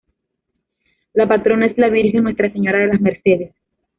La patrona es la Virgen Nuestra Señora de las Mercedes.